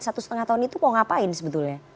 satu setengah tahun itu mau ngapain sebetulnya